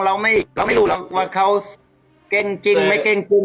เราไม่เราไม่รู้หรอกว่าเขาเก่งจริงไม่เก่งจริง